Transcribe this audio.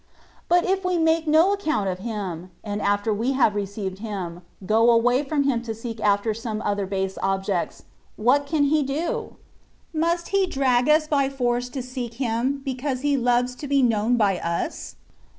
But if we make no account of Him, and after we have received Him, go away from Him to seek after other base objects, what can He do? Must He drag us by force to seek Him, because He loves to be known by us